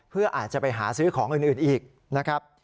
เพื่ออาจจะไปหาซื้อของอื่นอีกนะครับ